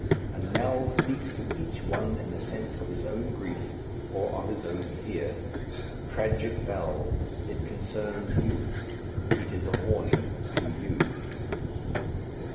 A knell speaks to each one in the sense of his own grief or of his own fear. Tragic bell! it concerns you. It is a warning to you.